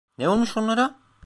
Ne olmuş onlara?